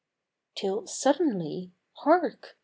Till suddenly — Hark!